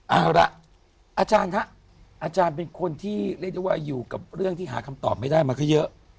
เอาละอาจารย์ฮะอาจารย์เป็นคนที่เรียกได้ว่าอยู่กับเรื่องที่หาคำตอบไม่ได้มาก็เยอะ